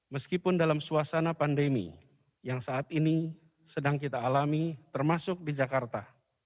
meskipun dalam suasana pandemi yang saat ini sedang kita alami termasuk di jakarta